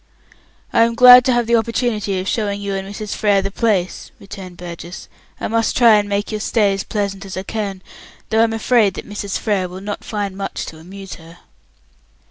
"I am glad to have the opportunity of showing you and Mrs. Frere the place," returned Burgess. "I must try and make your stay as pleasant as I can, though I'm afraid that Mrs. Frere will not find much to amuse her."